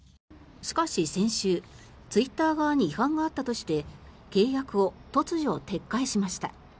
しかし先週、ツイッター側に違反があったとして契約を突如、撤回しました。